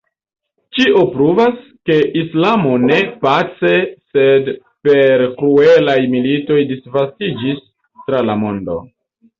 Ĉio pruvas, ke islamo ne pace sed per kruelaj militoj disvastiĝis tra la mondo.